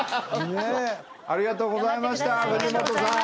ありがとうございました藤本さん。